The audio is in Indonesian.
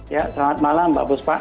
ya selamat malam mbak buspa